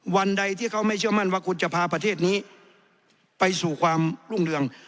วันใดที่เขาไม่เชื่อมั่นว่าคุณจะพาประเทศนี้ไปสู่ความรุ่งเรือง